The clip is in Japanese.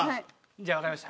じゃあわかりました。